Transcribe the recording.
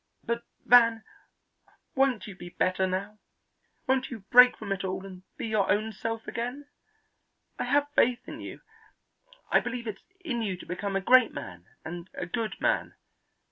But, Van, won't you be better now? Won't you break from it all and be your own self again? I have faith in you. I believe it's in you to become a great man and a good man.